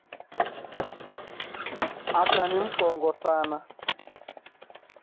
Aka ni mkongo sana.